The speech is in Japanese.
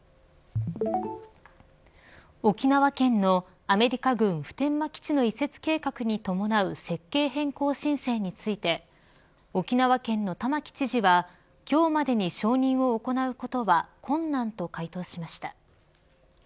沖縄県のアメリカ軍普天間基地の移設計画に伴う設計変更申請について沖縄県の玉城知事は今日までに承認を行うことは困難と回答しました。